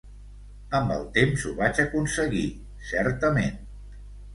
Amb el temps ho vaig aconseguir, certament.